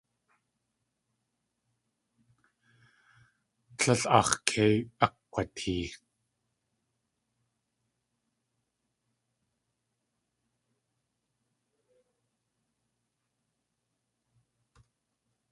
Tlél aax̲ kei akg̲watee.